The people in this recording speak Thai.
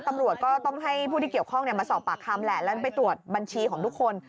ตำรวจก็ต้องให้ผู้ที่เกี่ยวข้องมาสอบปากคำแหละแล้วไปตรวจบัญชีของทุกคน